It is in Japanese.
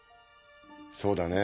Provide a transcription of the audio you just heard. そうだね。